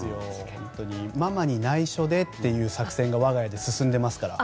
ママに内緒でという作戦が我が家では進んでますから。